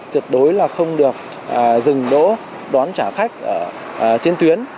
tuyệt đối là không được dừng đỗ đón trả khách trên tuyến